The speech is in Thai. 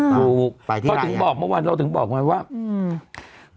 ไปที่ไหนอะอเจมส์พ่อถึงบอกเมื่อวานเราถึงบอกกว่าว่าอืม